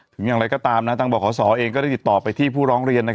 อย่างไรก็ตามทางบขศเองก็ได้ติดต่อไปที่ผู้ร้องเรียน